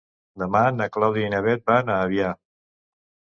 Demà na Clàudia i na Bet van a Avià.